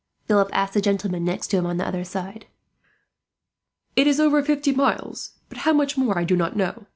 Philip asked the gentlemen next to him on the other side. "It is over fifty miles, but how much more I do not know.